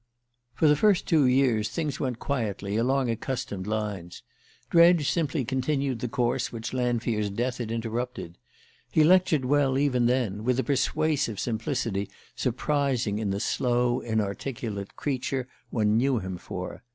For the first two years things went quietly, along accustomed lines. Dredge simply continued the course which Lanfear's death had interrupted. He lectured well even then, with a persuasive simplicity surprising in the slow, inarticulate creature one knew him for.